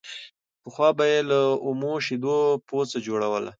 پخوا به يې له اومو شيدو پوڅه جوړوله